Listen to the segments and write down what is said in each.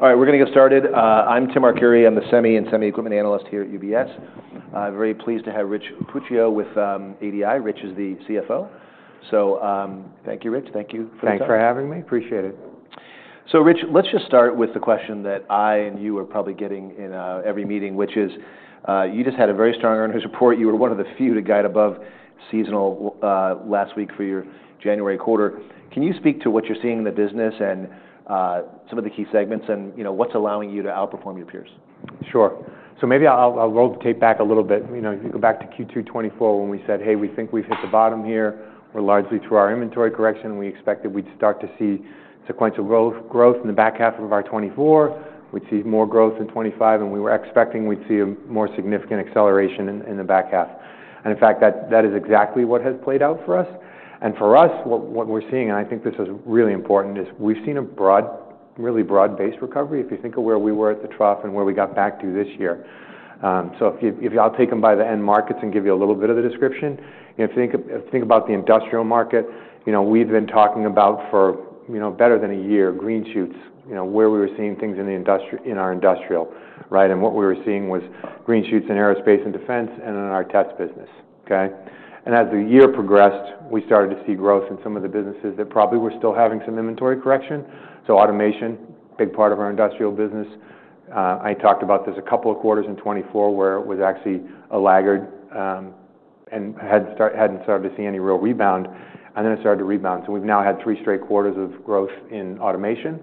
All right, we're going to get started. I'm Tim Arcuri. I'm the Semi and Semi-Equipment Analyst here at UBS. Very pleased to have Rich Puccio with ADI. Rich is the CFO. Thank you, Rich. Thank you for the time. Thanks for having me. Appreciate it. Rich, let's just start with the question that I and you are probably getting in every meeting, which is you just had a very strong earnings report. You were one of the few to guide above seasonal last week for your January quarter. Can you speak to what you're seeing in the business and some of the key segments, and what's allowing you to outperform your peers? Sure. Maybe I'll roll the tape back a little bit. You go back to Q2 2024 when we said, "Hey, we think we've hit the bottom here. We're largely through our inventory correction. We expected we'd start to see sequential growth in the back half of our 2024. We'd see more growth in 2025, and we were expecting we'd see a more significant acceleration in the back half." In fact, that is exactly what has played out for us. For us, what we're seeing, and I think this is really important, is we've seen a really broad-based recovery. If you think of where we were at the trough and where we got back to this year. If I'll take them by the end markets and give you a little bit of the description. If you think about the industrial market, we've been talking about for better than a year green shoots, where we were seeing things in our industrial. What we were seeing was green shoots in aerospace and defense and in our test business. As the year progressed, we started to see growth in some of the businesses that probably were still having some inventory correction. Automation, big part of our industrial business. I talked about this a couple of quarters in 2024 where it was actually a laggard and hadn't started to see any real rebound. It started to rebound. We've now had three straight quarters of growth in automation.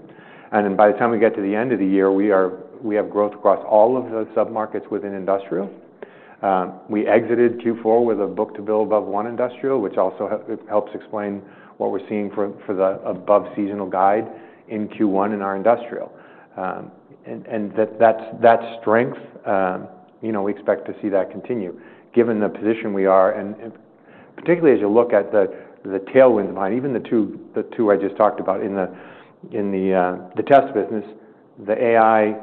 By the time we get to the end of the year, we have growth across all of the sub-markets within industrial. We exited Q4 with a book-to-bill above one in industrial, which also helps explain what we're seeing for the above-seasonal guide in Q1 in our industrial. That strength, we expect to see that continue given the position we are. Particularly as you look at the tailwinds behind, even the two I just talked about in the test business, the AI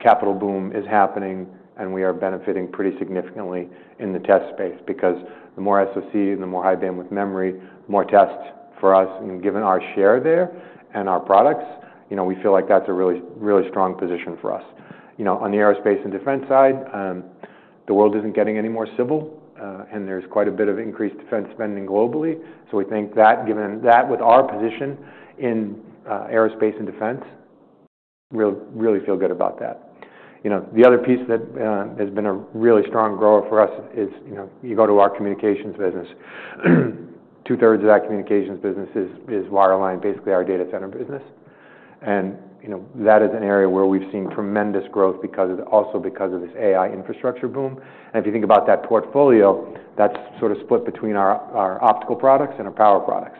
capital boom is happening, and we are benefiting pretty significantly in the test space because the more SoC and the more high bandwidth memory, more tests for us. Given our share there and our products, we feel like that's a really strong position for us. On the aerospace and defense side, the world isn't getting any more civil, and there's quite a bit of increased defense spending globally. We think that, given that with our position in aerospace and defense, we really feel good about that. The other piece that has been a really strong grower for us is you go to our communications business. Two-thirds of that communications business is wireline, basically our data center business. That is an area where we've seen tremendous growth also because of this AI infrastructure boom. If you think about that portfolio, that's sort of split between our optical products and our power products.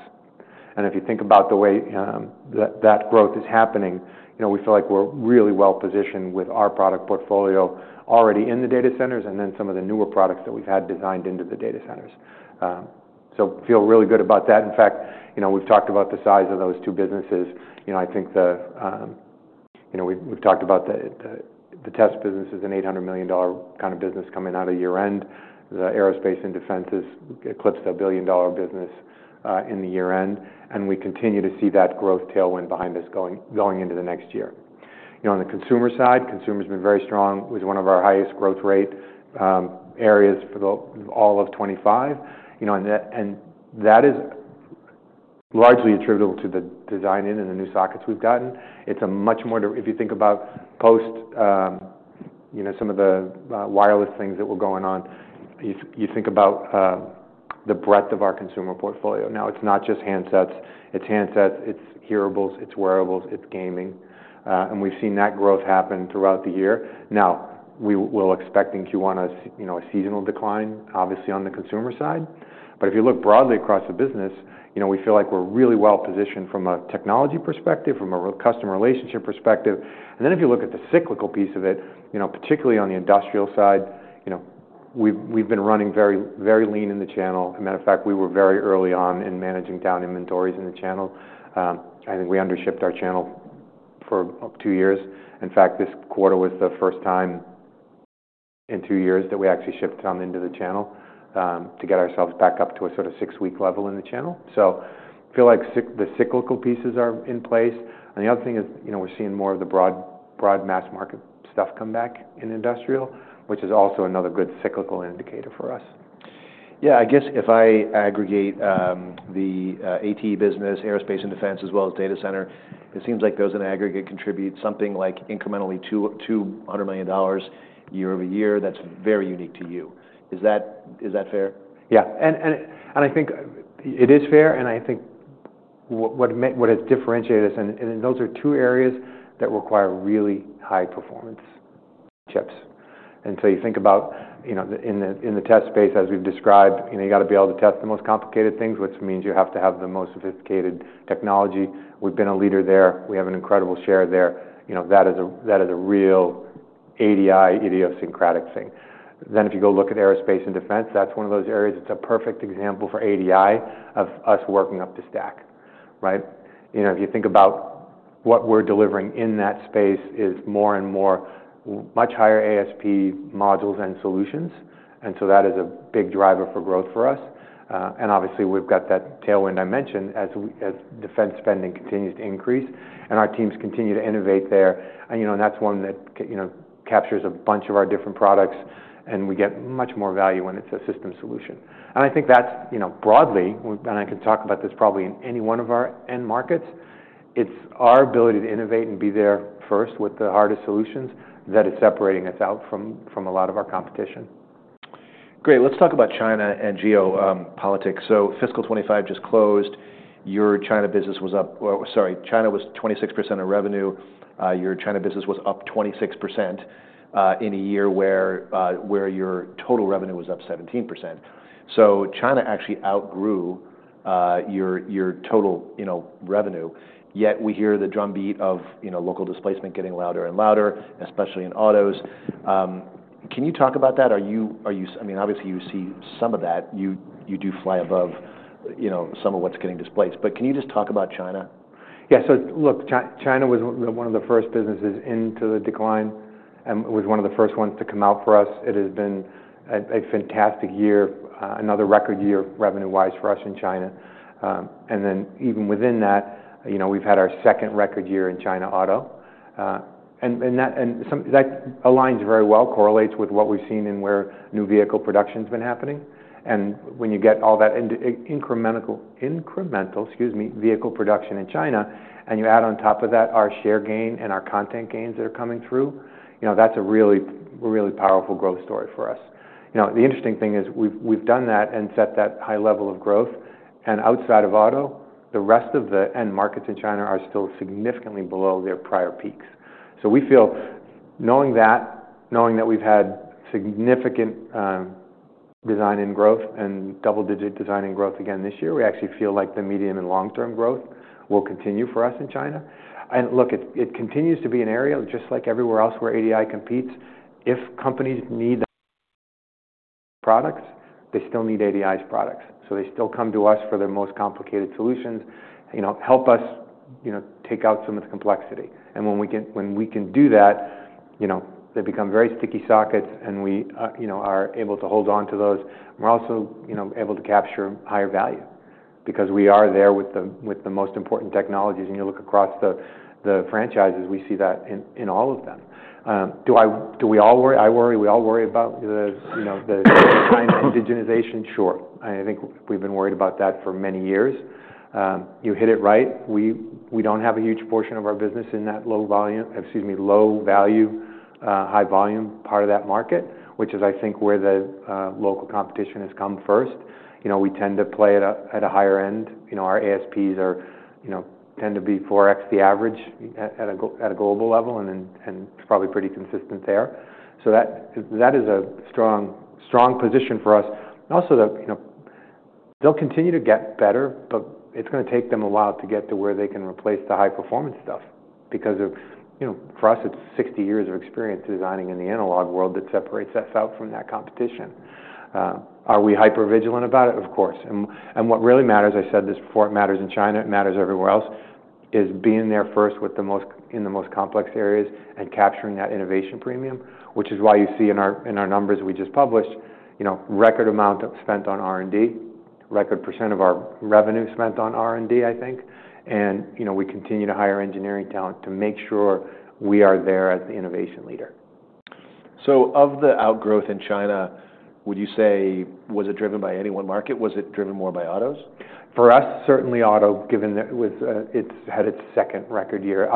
If you think about the way that growth is happening, we feel like we're really well positioned with our product portfolio already in the data centers and then some of the newer products that we've had designed into the data centers. Feel really good about that. In fact, we've talked about the size of those two businesses. I think we've talked about the test business is an $800 million kind of business coming out of year-end. The aerospace and defense has eclipsed the billion-dollar business in the year-end. We continue to see that growth tailwind behind us going into the next year. On the consumer side, consumer has been very strong. It was one of our highest growth rate areas for all of 2025. That is largely attributable to the design in and the new sockets we've gotten. It's a much more—if you think about post some of the wireless things that were going on, you think about the breadth of our consumer portfolio. Now, it's not just handsets. It's handsets. It's hearables. It's wearables. It's gaming. We have seen that growth happen throughout the year. Now, we're expecting Q1 a seasonal decline, obviously, on the consumer side. If you look broadly across the business, we feel like we're really well positioned from a technology perspective, from a customer relationship perspective. If you look at the cyclical piece of it, particularly on the industrial side, we've been running very lean in the channel. As a matter of fact, we were very early on in managing down inventories in the channel. I think we undershipped our channel for two years. In fact, this quarter was the first time in two years that we actually shipped some into the channel to get ourselves back up to a sort of six-week level in the channel. I feel like the cyclical pieces are in place. The other thing is we're seeing more of the broad mass market stuff come back in industrial, which is also another good cyclical indicator for us. Yeah. I guess if I aggregate the AT business, aerospace and defense, as well as data center, it seems like those in aggregate contribute something like incrementally $200 million year-over-year. That's very unique to you. Is that fair? Yeah. I think it is fair. I think what has differentiated us, and those are two areas that require really high-performance chips. You think about in the test space, as we've described, you got to be able to test the most complicated things, which means you have to have the most sophisticated technology. We've been a leader there. We have an incredible share there. That is a real ADI idiosyncratic thing. If you go look at aerospace and defense, that's one of those areas. It's a perfect example for ADI of us working up the stack. If you think about what we're delivering in that space is more and more much higher ASP modules and solutions. That is a big driver for growth for us. Obviously, we've got that tailwind I mentioned as defense spending continues to increase, and our teams continue to innovate there. That's one that captures a bunch of our different products, and we get much more value when it's a system solution. I think that's broadly, and I can talk about this probably in any one of our end markets, it's our ability to innovate and be there first with the hardest solutions that is separating us out from a lot of our competition. Great. Let's talk about China and geopolitics. Fiscal 2025 just closed. Your China business was up—sorry, China was 26% of revenue. Your China business was up 26% in a year where your total revenue was up 17%. China actually outgrew your total revenue. Yet we hear the drumbeat of local displacement getting louder and louder, especially in autos. Can you talk about that? I mean, obviously, you see some of that. You do fly above some of what's getting displaced. But can you just talk about China? Yeah. Look, China was one of the first businesses into the decline and was one of the first ones to come out for us. It has been a fantastic year, another record year revenue-wise for us in China. Even within that, we've had our second record year in China auto. That aligns very well, correlates with what we've seen in where new vehicle production has been happening. When you get all that incremental vehicle production in China, and you add on top of that our share gain and our content gains that are coming through, that's a really powerful growth story for us. The interesting thing is we've done that and set that high level of growth. Outside of auto, the rest of the end markets in China are still significantly below their prior peaks. We feel knowing that, knowing that we've had significant design in growth and double-digit design in growth again this year, we actually feel like the medium and long-term growth will continue for us in China. It continues to be an area just like everywhere else where ADI competes. If companies need the products, they still need ADI's products. They still come to us for their most complicated solutions, help us take out some of the complexity. When we can do that, they become very sticky sockets, and we are able to hold on to those. We're also able to capture higher value because we are there with the most important technologies. You look across the franchises, we see that in all of them. Do we all worry? I worry. We all worry about the China indigenization. Sure. I think we've been worried about that for many years. You hit it right. We don't have a huge portion of our business in that low value, high volume part of that market, which is, I think, where the local competition has come first. We tend to play at a higher end. Our ASPs tend to be 4x the average at a global level, and it's probably pretty consistent there. That is a strong position for us. Also, they'll continue to get better, but it's going to take them a while to get to where they can replace the high-performance stuff because for us, it's 60 years of experience designing in the analog world that separates us out from that competition. Are we hyper-vigilant about it? Of course. What really matters—I said this before—it matters in China. It matters everywhere else, is being there first in the most complex areas and capturing that innovation premium, which is why you see in our numbers we just published, record amount spent on R&D, record percent of our revenue spent on R&D, I think. We continue to hire engineering talent to make sure we are there as the innovation leader. Of the outgrowth in China, would you say was it driven by any one market? Was it driven more by autos? For us, certainly auto, given that it had its second record year.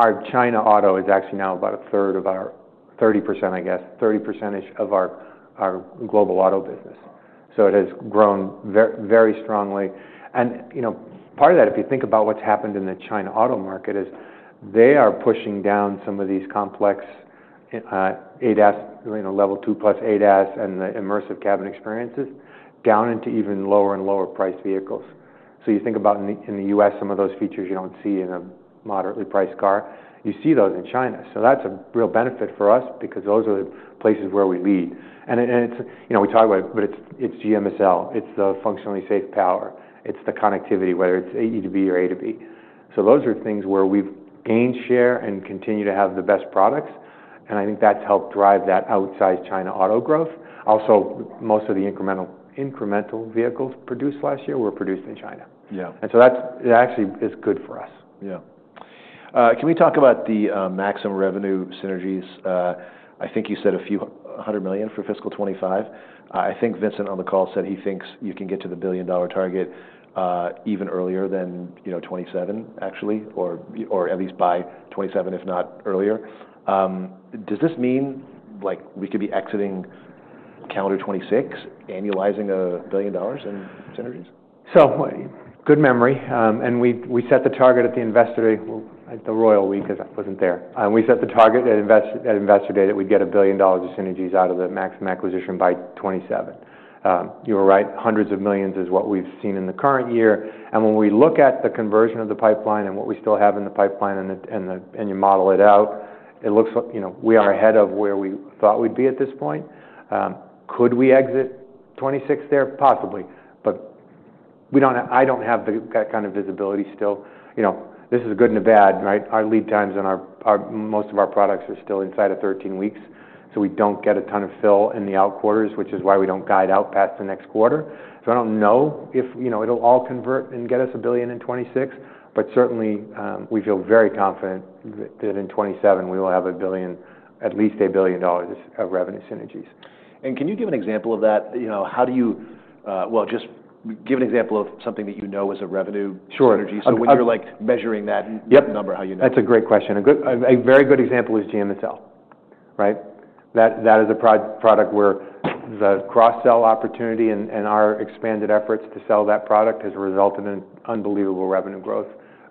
Our China auto is actually now about a third of our 30%, I guess, 30%-ish of our global auto business. It has grown very strongly. Part of that, if you think about what's happened in the China auto market, is they are pushing down some of these complex ADAS, level two plus ADAS, and the immersive cabin experiences down into even lower and lower-priced vehicles. You think about in the U.S., some of those features you don't see in a moderately priced car. You see those in China. That is a real benefit for us because those are the places where we lead. We talk about it, but it's GMSL. It's the functionally safe power. It's the connectivity, whether it's [AEV] or A2B. Those are things where we've gained share and continue to have the best products. I think that's helped drive that outsized China auto growth. Also, most of the incremental vehicles produced last year were produced in China. That actually is good for us. Yeah. Can we talk about the Maxim revenue synergies? I think you said a few hundred million for fiscal 2025. I think Vincent on the call said he thinks you can get to the billion-dollar target even earlier than 2027, actually, or at least by 2027, if not earlier. Does this mean we could be exiting calendar 2026, annualizing a billion dollars in synergies? Good memory. We set the target at the investor day—the royal week was not there. We set the target at investor day that we would get $1 billion of synergies out of the Maxim acquisition by 2027. You were right. Hundreds of millions is what we have seen in the current year. When we look at the conversion of the pipeline and what we still have in the pipeline and you model it out, it looks like we are ahead of where we thought we would be at this point. Could we exit 2026 there? Possibly. I do not have that kind of visibility still. This is good and bad, right? Our lead times on most of our products are still inside of 13 weeks. We do not get a ton of fill in the outquarters, which is why we do not guide out past the next quarter. I don't know if it'll all convert and get us a billion in 2026, but certainly we feel very confident that in 2027 we will have at least a billion dollars of revenue synergies. Can you give an example of that? How do you—just give an example of something that you know is a revenue synergy. When you're measuring that number, how do you know? Yep. That's a great question. A very good example is GMSL, right? That is a product where the cross-sell opportunity and our expanded efforts to sell that product has resulted in unbelievable revenue growth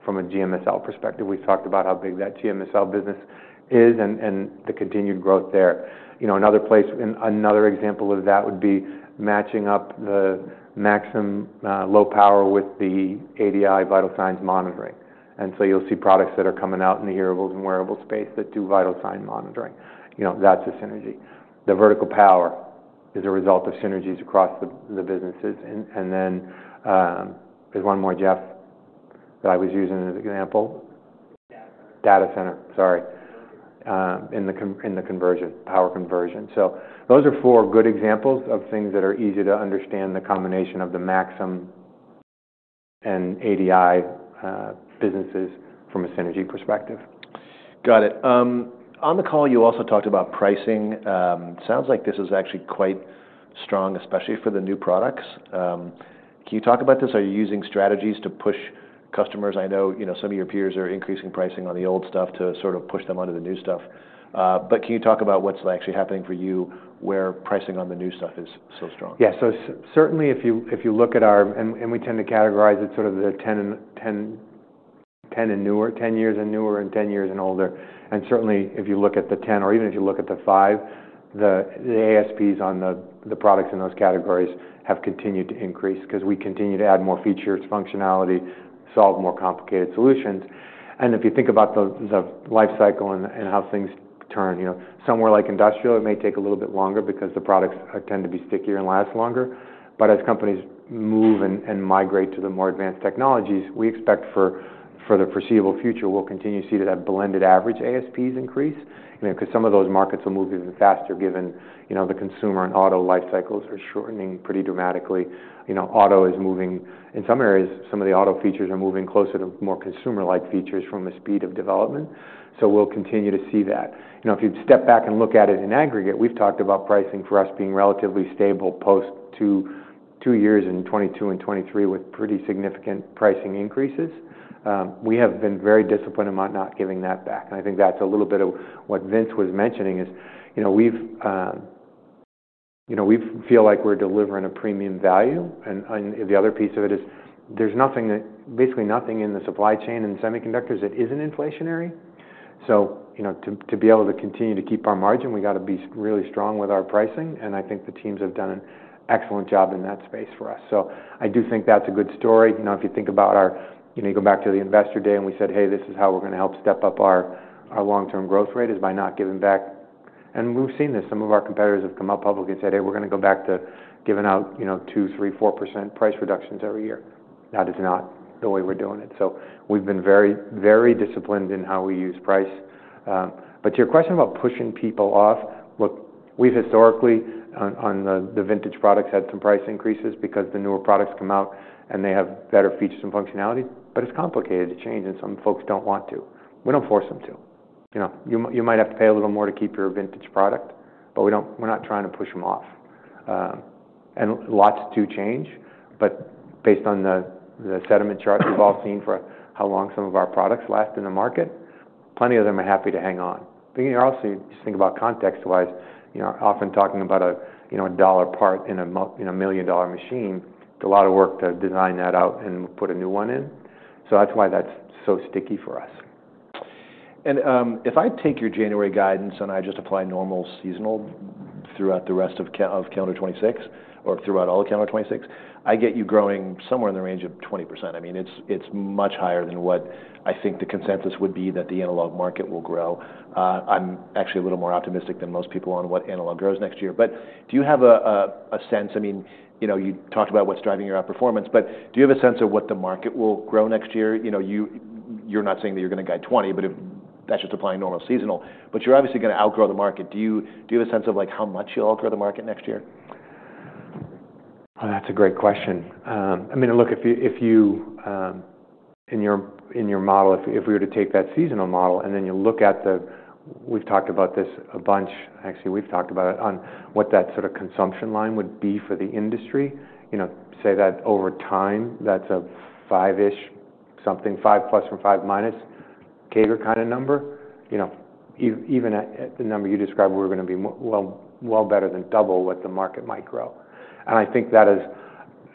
from a GMSL perspective. We've talked about how big that GMSL business is and the continued growth there. Another example of that would be matching up the Maxim low power with the ADI vital signs monitoring. You will see products that are coming out in the hearables and wearables space that do vital sign monitoring. That's a synergy. The vertical power is a result of synergies across the businesses. There is one more, Jeff, that I was using as an example. Data center. Data center. Sorry. In the conversion, power conversion. Those are four good examples of things that are easy to understand, the combination of the Maxim and ADI businesses from a synergy perspective. Got it. On the call, you also talked about pricing. Sounds like this is actually quite strong, especially for the new products. Can you talk about this? Are you using strategies to push customers? I know some of your peers are increasing pricing on the old stuff to sort of push them onto the new stuff. Can you talk about what's actually happening for you where pricing on the new stuff is so strong? Yeah. Certainly, if you look at our—and we tend to categorize it sort of the 10 and newer, 10 years and newer, and 10 years and older. Certainly, if you look at the 10, or even if you look at the 5, the ASPs on the products in those categories have continued to increase because we continue to add more features, functionality, solve more complicated solutions. If you think about the life cycle and how things turn, somewhere like industrial, it may take a little bit longer because the products tend to be stickier and last longer. As companies move and migrate to the more advanced technologies, we expect for the foreseeable future, we'll continue to see that blended average ASPs increase because some of those markets will move even faster given the consumer and auto life cycles are shortening pretty dramatically. Auto is moving—in some areas, some of the auto features are moving closer to more consumer-like features from a speed of development. We will continue to see that. If you step back and look at it in aggregate, we have talked about pricing for us being relatively stable post two years in 2022 and 2023 with pretty significant pricing increases. We have been very disciplined about not giving that back. I think that is a little bit of what Vince was mentioning is we feel like we are delivering a premium value. The other piece of it is there is basically nothing in the supply chain and semiconductors that is not inflationary. To be able to continue to keep our margin, we have to be really strong with our pricing. I think the teams have done an excellent job in that space for us. I do think that's a good story. If you think about our—you go back to the investor day and we said, "Hey, this is how we're going to help step up our long-term growth rate is by not giving back." We've seen this. Some of our competitors have come out public and said, "Hey, we're going to go back to giving out 2%, 3%, 4% price reductions every year." That is not the way we're doing it. We've been very disciplined in how we use price. To your question about pushing people off, look, we've historically, on the vintage products, had some price increases because the newer products come out and they have better features and functionality. It's complicated to change, and some folks don't want to. We don't force them to. You might have to pay a little more to keep your vintage product, but we're not trying to push them off. Lots do change. Based on the sediment chart we've all seen for how long some of our products last in the market, plenty of them are happy to hang on. You also just think about context-wise, often talking about a dollar part in a million-dollar machine, it's a lot of work to design that out and put a new one in. That's why that's so sticky for us. If I take your January guidance and I just apply normal seasonal throughout the rest of calendar 2026 or throughout all of calendar 2026, I get you growing somewhere in the range of 20%. I mean, it's much higher than what I think the consensus would be that the analog market will grow. I'm actually a little more optimistic than most people on what analog grows next year. Do you have a sense—I mean, you talked about what's driving your outperformance, but do you have a sense of what the market will grow next year? You're not saying that you're going to guide 20%, but that's just applying normal seasonal. You're obviously going to outgrow the market. Do you have a sense of how much you'll outgrow the market next year? That's a great question. I mean, look, if you—in your model, if we were to take that seasonal model and then you look at the—we've talked about this a bunch. Actually, we've talked about it on what that sort of consumption line would be for the industry. Say that over time, that's a five-ish something, five plus or five minus CAGR kind of number. Even at the number you described, we're going to be well better than double what the market might grow. I think that is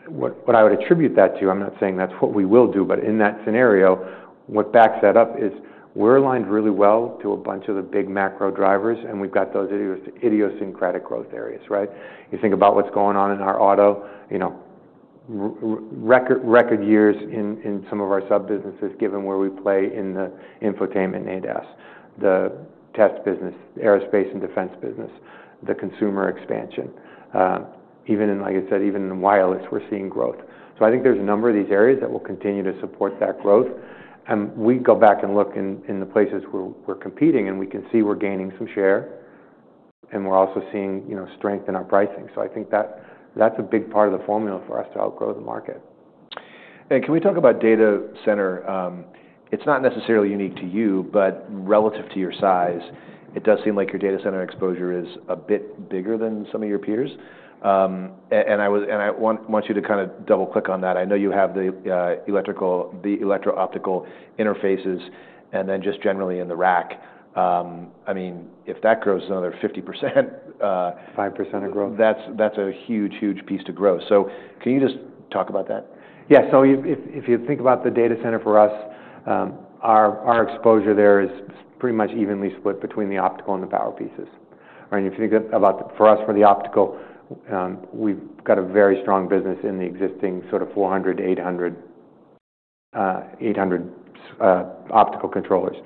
what I would attribute that to. I'm not saying that's what we will do. In that scenario, what backs that up is we're aligned really well to a bunch of the big macro drivers, and we've got those idiosyncratic growth areas, right? You think about what's going on in our auto record years in some of our sub-businesses, given where we play in the infotainment and ADAS, the test business, aerospace and defense business, the consumer expansion. Even in, like I said, even in wireless, we're seeing growth. I think there's a number of these areas that will continue to support that growth. We go back and look in the places where we're competing, and we can see we're gaining some share, and we're also seeing strength in our pricing. I think that's a big part of the formula for us to outgrow the market. Can we talk about data center? It's not necessarily unique to you, but relative to your size, it does seem like your data center exposure is a bit bigger than some of your peers. I want you to kind of double-click on that. I know you have the electro-optical interfaces and then just generally in the rack. I mean, if that grows another 50%. 5% of growth. That's a huge, huge piece to grow. Can you just talk about that? Yeah. If you think about the data center for us, our exposure there is pretty much evenly split between the optical and the power pieces. If you think about for us, for the optical, we have a very strong business in the existing sort of 400, 800 optical controllers.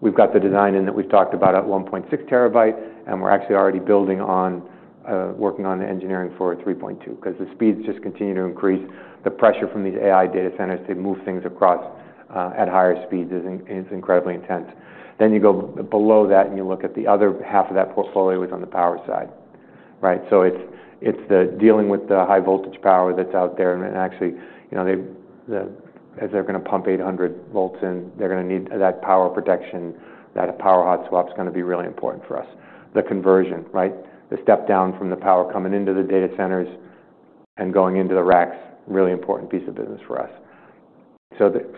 We have the design in that we have talked about at 1.6 terabyte, and we are actually already working on the engineering for 3.2 because the speeds just continue to increase. The pressure from these AI data centers to move things across at higher speeds is incredibly intense. You go below that and you look at the other half of that portfolio is on the power side, right? It is the dealing with the high-voltage power that is out there. Actually, as they are going to pump 800 V in, they are going to need that power protection. That power hot swap is going to be really important for us. The conversion, right? The step down from the power coming into the data centers and going into the racks, really important piece of business for us.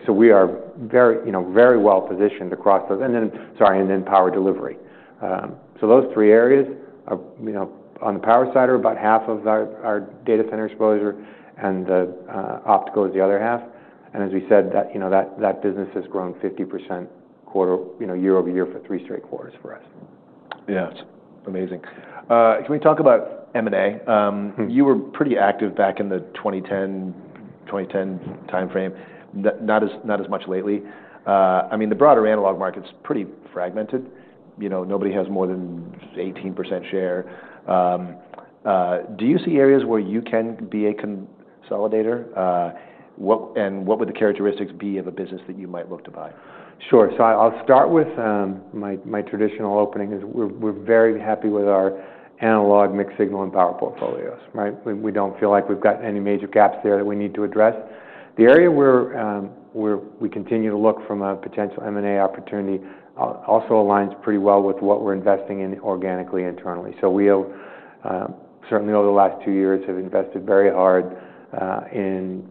We are very well positioned across the—and then, sorry, and then power delivery. Those three areas on the power side are about half of our data center exposure, and the optical is the other half. As we said, that business h-s grown 50% year-over-year for three straight quarters for us. Yeah. It's amazing. Can we talk about M&A? You were pretty active back in the 2010 timeframe, not as much lately. I mean, the broader analog market's pretty fragmented. Nobody has more than 18% share. Do you see areas where you can be a consolidator? What would the characteristics be of a business that you might look to buy? Sure. I'll start with my traditional opening. We're very happy with our analog, mixed signal, and power portfolios, right? We don't feel like we've got any major gaps there that we need to address. The area where we continue to look from a potential M&A opportunity also aligns pretty well with what we're investing in organically internally. We have certainly, over the last two years, invested very hard in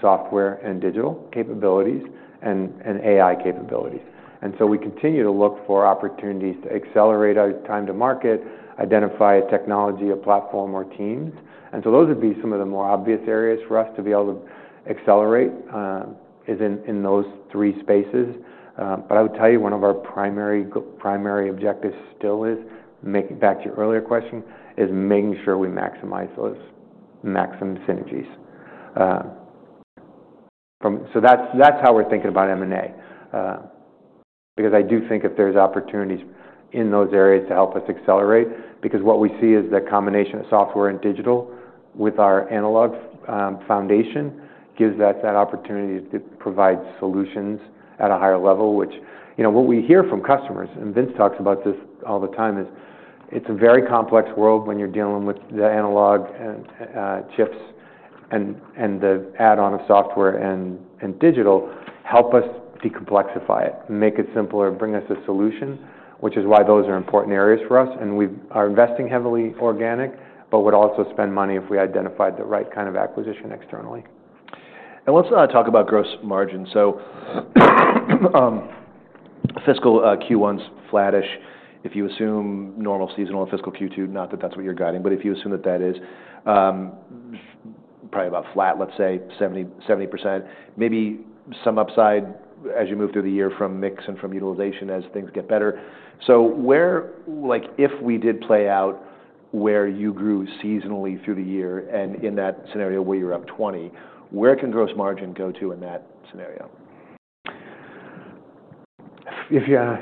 software and digital capabilities and AI capabilities. We continue to look for opportunities to accelerate our time to market, identify a technology, a platform, or teams. Those would be some of the more obvious areas for us to be able to accelerate in those three spaces. I would tell you one of our primary objectives still is, back to your earlier question, making sure we maximize those Maxim synergies. That's how we're thinking about M&A because I do think if there's opportunities in those areas to help us accelerate because what we see is the combination of software and digital with our analog foundation gives us that opportunity to provide solutions at a higher level, which what we hear from customers—Vince talks about this all the time—is it's a very complex world when you're dealing with the analog chips and the add-on of software and digital help us decomplexify it, make it simpler, bring us a solution, which is why those are important areas for us. We are investing heavily organic, but would also spend money if we identified the right kind of acquisition externally. Let's talk about gross margin. Fiscal Q1's flattish if you assume normal seasonal and fiscal Q2, not that that's what you're guiding, but if you assume that that is probably about flat, let's say 70%, maybe some upside as you move through the year from mix and from utilization as things get better. If we did play out where you grew seasonally through the year and in that scenario where you're up 20, where can gross margin go to in that scenario? In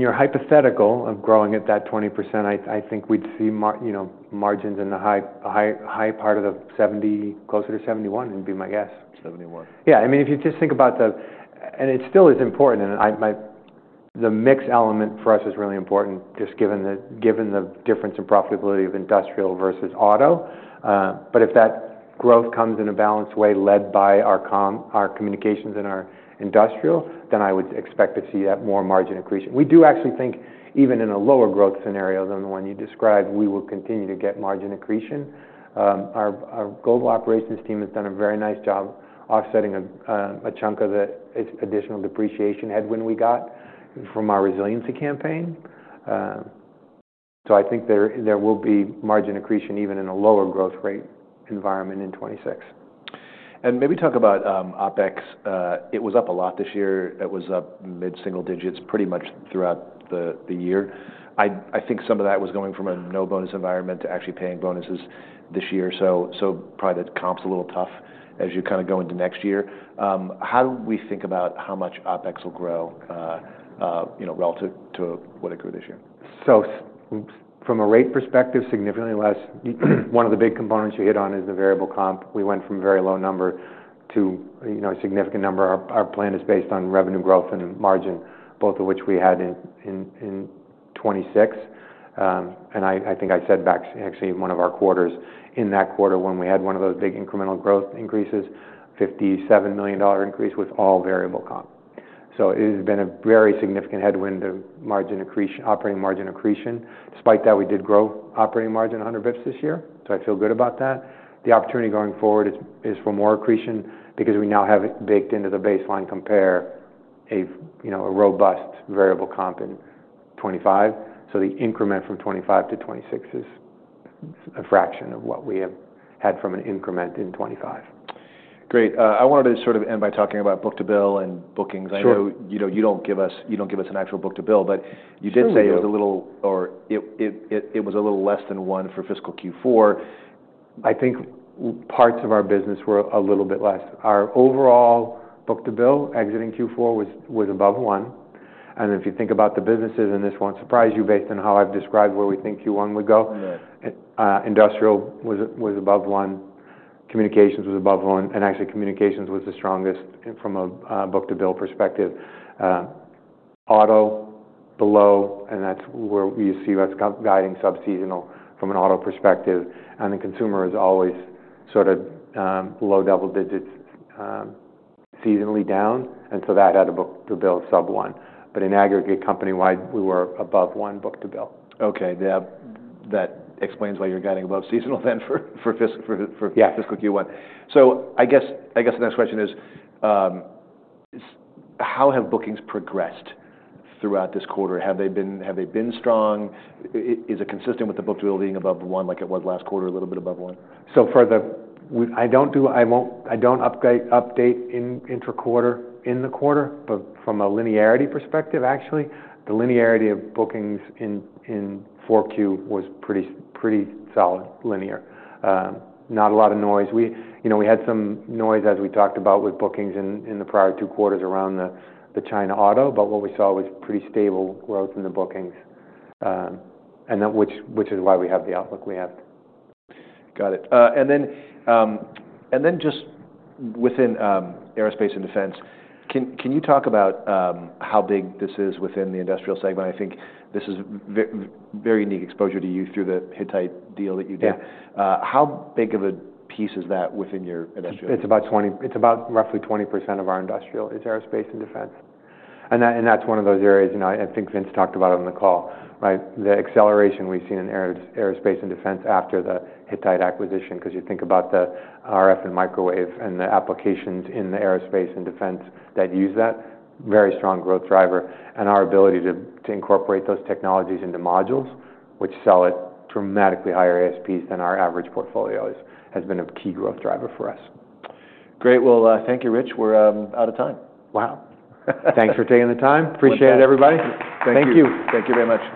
your hypothetical of growing at that 20%, I think we'd see margins in the high part of the 70, closer to 71 would be my guess. 71. Yeah. I mean, if you just think about the—and it still is important. The mix element for us is really important just given the difference in profitability of industrial versus auto. If that growth comes in a balanced way led by our communications and our industrial, then I would expect to see that more margin accretion. We do actually think even in a lower growth scenario than the one you described, we will continue to get margin accretion. Our global operations team has done a very nice job offsetting a chunk of the additional depreciation headwind we got from our resiliency campaign. I think there will be margin accretion even in a lower growth rate environment in 2026. Maybe talk about OpEx. It was up a lot this year. It was up mid-single digits pretty much throughout the year. I think some of that was going from a no bonus environment to actually paying bonuses this year. Probably the comp's a little tough as you kind of go into next year. How do we think about how much OpEx will grow relative to what it grew this year? From a rate perspective, significantly less. One of the big components you hit on is the variable comp. We went from a very low number to a significant number. Our plan is based on revenue growth and margin, both of which we had in 2026. I think I said back actually in one of our quarters, in that quarter when we had one of those big incremental growth increases, $57 million increase with all variable comp. It has been a very significant headwind to operating margin accretion. Despite that, we did grow operating margin 100 basis points this year. I feel good about that. The opportunity going forward is for more accretion because we now have it baked into the baseline compare, a robust variable comp in 2025. The increment from 2025 to 2026 is a fraction of what we have had from an increment in 2025. Great. I wanted to sort of end by talking about book-to-bill and bookings. I know you do not give us, you do not give us an actual book-to-bill, but you did say it was a little, or it was a little less than one for fiscal Q4. I think parts of our business were a little bit less. Our overall book to bill exiting Q4 was above one. If you think about the businesses, and this will not surprise you based on how I have described where we think Q1 would go, industrial was above one, communications was above one, and actually communications was the strongest from a book to bill perspective. Auto, below, and that is where you see us guiding sub-seasonal from an auto perspective. The consumer is always sort of low double digits seasonally down. That had a book to bill sub one. In aggregate, company-wide, we were above one book to bill. Okay. That explains why you're guiding above seasonal then for fiscal Q1. I guess the next question is, how have bookings progressed throughout this quarter? Have they been strong? Is it consistent with the book-to-bill being above one like it was last quarter, a little bit above one? For the—I do not update intra quarter in the quarter, but from a linearity perspective, actually, the linearity of bookings in 4Q was pretty solid, linear. Not a lot of noise. We had some noise, as we talked about, with bookings in the prior two quarters around the China auto, but what we saw was pretty stable growth in the bookings, which is why we have the outlook we have. Got it. And then just within aerospace and defense, can you talk about how big this is within the industrial segment? I think this is very unique exposure to you through the Hittite deal that you did. How big of a piece is that within your industrial? It's about roughly 20% of our industrial is aerospace and defense. That is one of those areas, and I think Vince talked about it on the call, right? The acceleration we've seen in aerospace and defense after the Hittite acquisition, because you think about the RF and microwave and the applications in the aerospace and defense that use that, very strong growth driver. Our ability to incorporate those technologies into modules, which sell at dramatically higher ASPs than our average portfolios, has been a key growth driver for us. Great. Thank you, Rich. We're out of time. Wow. Thanks for taking the time. Appreciate it, everybody. Thank you. Thank you. Thank you very much.